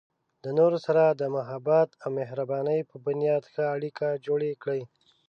د نورو سره د محبت او مهربانۍ په بنیاد ښه اړیکې جوړې کړئ.